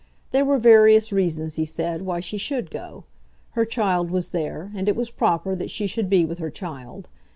There were various reasons, he said, why she should go. Her child was there, and it was proper that she should be with her child.